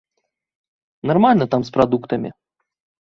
Нармальна там з прадуктамі.